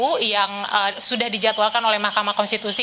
dan juga kpu yang sudah dijadwalkan oleh mahkamah konstitusi